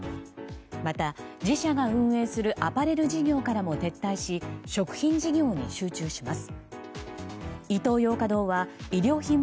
また、自社が運営するアパレル事業からも撤退し食品事業に集中します。